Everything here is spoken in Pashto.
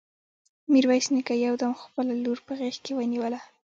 ميرويس نيکه يو دم خپله لور په غېږ کې ونيوله.